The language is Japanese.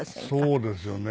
そうですよね。